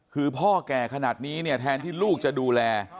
คือพ่อแก่ขนาดนี้เนี่ยแทนที่ลูกจะดูแล